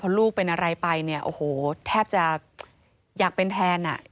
ลูกเป็นอะไรไปเนี่ยโอ้โหแทบจะอยากเป็นแทนอ่ะ